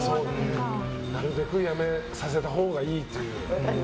なるべくやめさせたほうがいいという。